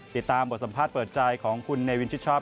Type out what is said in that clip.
ติดตามบทสัมภาษณ์เปิดใจของคุณเนวินชิดชอบ